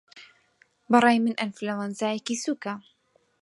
بەڕای من ئەنفلەوەنزایەکی سووکه